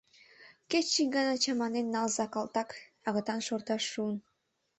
Кеч ик гана чаманен налза, калтак! — агытан шорташ шуын.